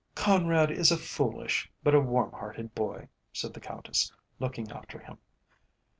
"Conrad is a foolish but a warm hearted boy," said the Countess, looking after him.